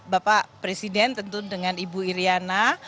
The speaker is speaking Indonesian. bapak presiden tentu dengan ibu iryana